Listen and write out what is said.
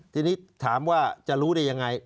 ทีนี้ถามว่าจะรู้ได้ยังไง